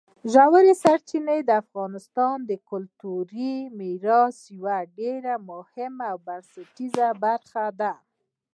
ژورې سرچینې د افغانستان د کلتوري میراث یوه ډېره مهمه او بنسټیزه برخه ده.